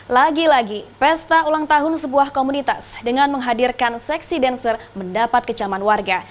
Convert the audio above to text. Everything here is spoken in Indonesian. lagi lagi pesta ulang tahun sebuah komunitas dengan menghadirkan seksi dancer mendapat kecaman warga